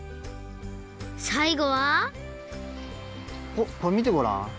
さいごはこれみてごらん。